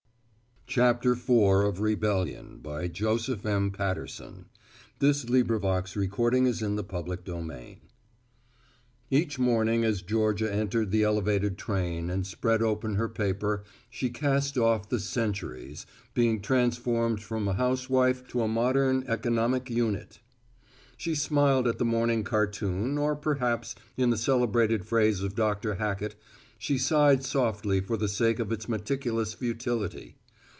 d he, "that you are my private secretary now?" "I understand, sir. Thank you." IV THE HEAD OF THE HOUSE Each morning as Georgia entered the elevated train and spread open her paper, she cast off the centuries, being transformed from a housewife to a "modern economic unit." She smiled at the morning cartoon or perhaps, in the celebrated phrase of Dr. Hackett, she sighed softly for the sake of its meticulous futility.